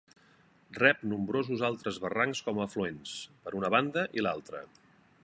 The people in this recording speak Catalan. Rep nombrosos altres barrancs com a afluents, per una banda i l'altra.